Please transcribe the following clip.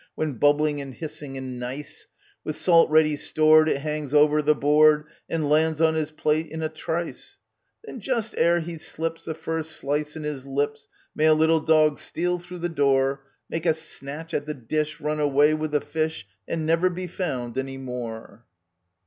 When bubbling, and hissing, and nice, With salt ready stored it hangs o'er the board, f And lands on his plate in a trice ; Then, just ere he slips the first slice in his lips May a little dog steal through (he door, Make a snatch at the dish, run away with the fish, And never be found any more